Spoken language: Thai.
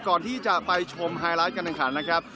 ก่อนที่จะไปชมไฮไลท์การแข่งขันนะครับ